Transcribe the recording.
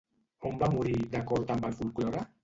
On va morir, d'acord amb el folklore?